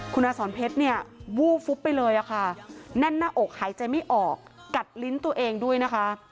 คุณอาสอนเพชรเนี่ยวูบฟุบไปเลยค่ะแน่นหน้าอกหายใจไม่ออกกัดลิ้นตัวเองด้วยนะคะ